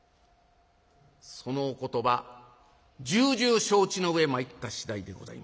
「そのお言葉重々承知の上参った次第でございます。